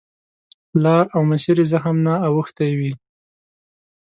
لار او مسیر یې زخم نه اوښتی وي.